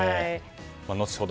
後ほど